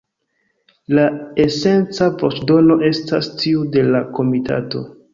La esenca voĉdono estas tiu de la Komitato.